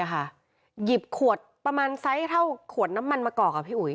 หยิบขวดประมาณไซซ์เท่าขวดน้ำมันมะกอก